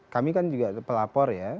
kami kan juga pelapor ya